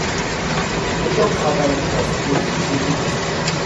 Ayant travaillé dans cet office de tourisme.